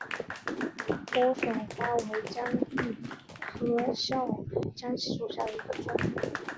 莴笋花为姜科闭鞘姜属下的一个种。